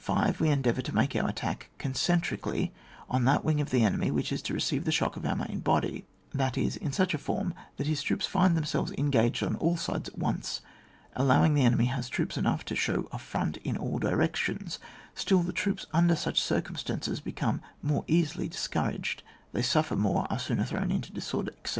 We endeavour to make our attack concentrically on that wing of the enemy which is to receive the shock of our main body, that is, in such a form that his troops find themselves engaged on all sides at once. Allowing that the enemy has troops enough to show a frt)nt in aU directions, still the troops, under such circimistances, become more easily dis couraged ; they suffer more, are sooner thrown into disorder, etc.